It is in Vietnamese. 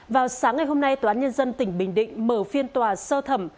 vào sáng ngày hôm nay tòa án nhân dân tỉnh bình định mở phiên tòa sơ thẩm